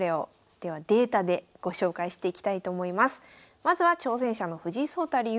まずは挑戦者の藤井聡太竜王。